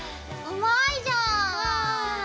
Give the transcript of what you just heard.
うまいじゃん！